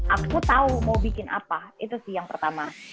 aku tahu mau bikin apa itu sih yang pertama